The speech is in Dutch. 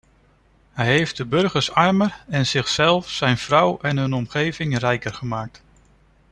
Hij heeft de burgers armer en zichzelf, zijn vrouw en hun omgeving rijker gemaakt.